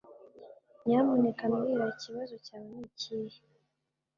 Nyamuneka mbwira ikibazo cyawe nikihe